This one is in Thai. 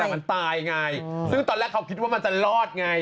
แต่มันตายไงซึ่งตอนแรกเขาคิดว่ามันจะรอดไง